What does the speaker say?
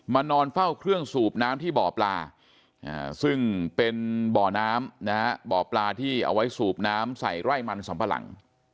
นอนเฝ้าเครื่องสูบน้ำที่บ่อปลาซึ่งเป็นบ่อน้ำนะฮะบ่อปลาที่เอาไว้สูบน้ำใส่ไร่มันสัมปะหลัง